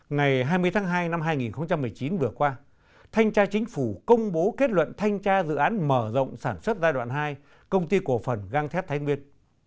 ngày hai mươi tháng hai năm hai nghìn một mươi chín vừa qua thanh tra chính phủ công bố kết luận thanh tra dự án mở rộng sản xuất giai đoạn hai công ty cổ phần găng thép thái nguyên